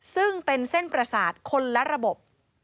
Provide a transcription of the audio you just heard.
ซึ่งเป็นเส้นประสาทคนละระบบ